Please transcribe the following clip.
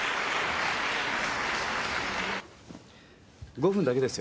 ５分だけですよ。